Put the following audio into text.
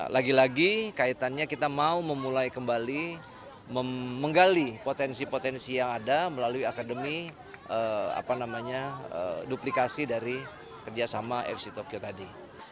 lagi lagi kaitannya kita mau memulai kembali menggali potensi potensi yang ada melalui akademi duplikasi dari kerjasama fc tokyo tadi